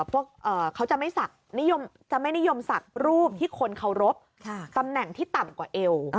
พวกเขาจะไม่นิยมศักดิ์รูปตำแหน่งที่ต่ำกว่าเอว